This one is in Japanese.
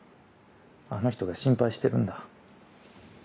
あの人が心配してるんだ。